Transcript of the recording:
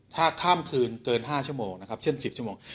ถ้าข้ามคืนเกิน๕ชั่วโมงนะครับเช่น๑๐ชั่วโมง